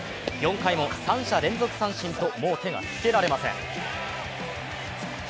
４回も三者連続三振ともう手がつけられません。